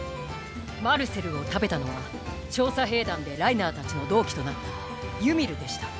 マルセルを食べたのは調査兵団でライナーたちの同期となったユミルでした。